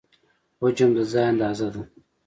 حجم د ځای اندازه ده.